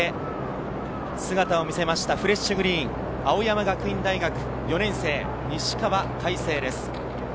３位で姿を見せました、フレッシュグリーン、青山学院大学、４年生・西川魁星です。